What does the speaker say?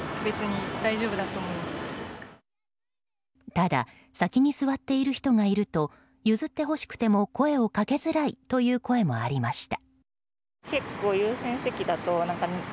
ただ先に座っている人がいると譲ってほしくても声をかけづらいという声もありました。